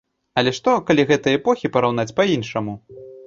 Але што, калі гэтыя эпохі параўнаць па-іншаму.